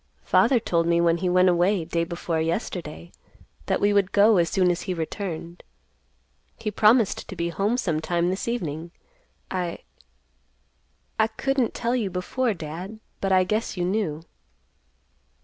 Father told me when he went away day before yesterday that we would go as soon as he returned. He promised to be home sometime this evening. I—I couldn't tell you before, Dad, but I guess you knew."